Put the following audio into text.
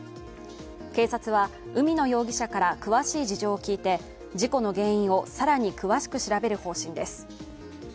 警察は海野容疑者から詳しい事情を聞いて、事故の原因を更に詳しく調べる方針です。